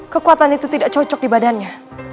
kekuatan itu tidak cocok di badannya